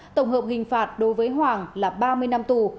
tổng hợp hình phạt đối với hoàng là ba mươi năm tù